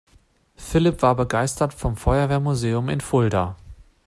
Philipp war begeistert vom Feuerwehrmuseum in Fulda.